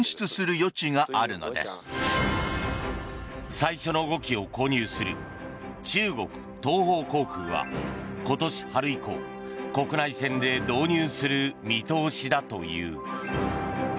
最初の５機を購入する中国東方航空は今年春以降、国内線で導入する見通しだという。